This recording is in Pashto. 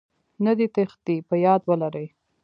نه دې تېښتې.په ياد ولرئ